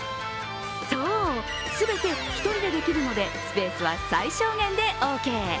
そう、全て１人でできるのでスペースは最小限でオーケー。